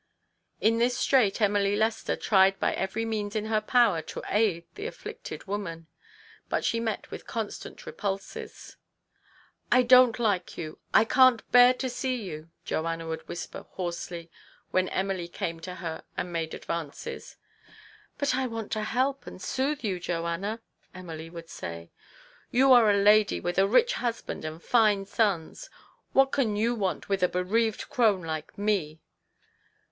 In this strait Emily Lester tried by every means in her power to aid the afflicted woman ; but she met with constant repulses. " I don't like you ! I can't bear to see you !" Joanna would whisper hoarsely when Emily came to her and made advances. " But I want to help and soothe you, Joanna," Emily would say. " You are a lady, with a rich husband and fine sons. What can you want with a bereaved crone like me